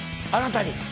あなたに。